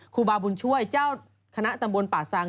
ครูบาบุญช่วยเจ้าคณะตำบลป่าซัง